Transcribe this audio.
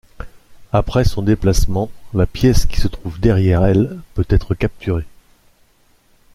Après son déplacement, la pièce qui se trouve derrière elle peut être capturée.